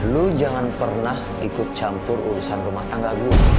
lu jangan pernah ikut campur urusan rumah tangga gue